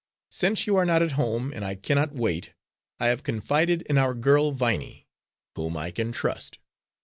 Since you are not at home, and I cannot wait, I have confided in our girl Viney, whom I can trust.